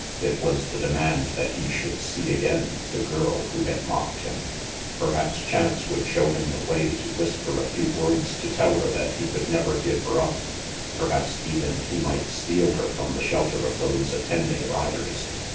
It was the demand that he should see again the girl who had mocked him. RANGY PETE 327 Perhaps chance would show him the way to whisper a few words to tell her that he would never give her up; perhaps even he might steal her from the shelter of those attending riders.